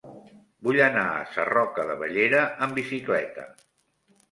Vull anar a Sarroca de Bellera amb bicicleta.